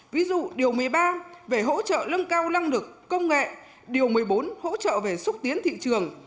ví dụ điều một mươi ba về hỗ trợ lâng cao năng lực công nghệ điều một mươi bốn hỗ trợ về xúc tiến thị trường